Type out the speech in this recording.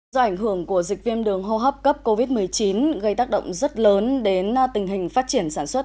do ảnh hưởng của dịch viêm đường hô hấp cấp covid một mươi chín gây tác động rất lớn đến tình hình phát triển sản xuất